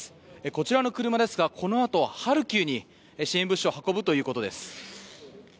こちらの車ですがこのあとハルキウに支援物資を運ぶということです。